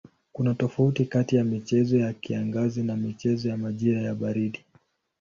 Kuna tofauti kati ya michezo ya kiangazi na michezo ya majira ya baridi.